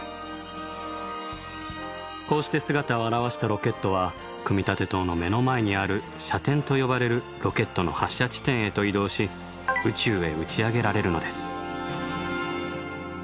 こうして姿を現したロケットは組立棟の目の前にある射点と呼ばれるロケットの発射地点へと移動し宇宙へ打ち上げられるのです。